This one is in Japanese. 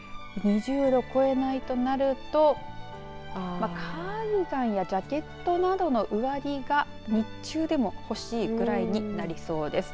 ２０度を超えないとなるとカーディガンやジャケットなどの上着が日中でも欲しいくらいになりそうです。